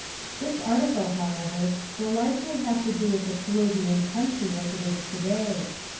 This article, however, will largely have to do with the Peruvian country as it is today.